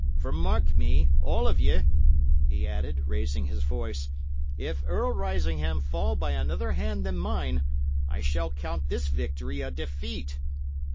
For mark me, all of ye," he added, raising his voice, "if Earl Risingham fall by another hand than mine, I shall count this victory a defeat."